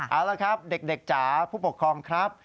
เอาละครับเด็กจ๋าผู้ปกครองครับ